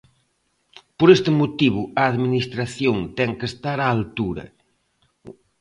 Por este motivo a Administración ten que estar á altura.